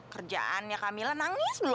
kerjaannya kamila nangis dulu